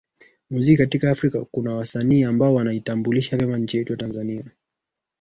Muziki katika Afrika kuna wasanii ambao wanaitambulisha vyema nchi yetu ya Tanzania